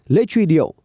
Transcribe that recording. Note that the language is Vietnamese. lễ truy điệu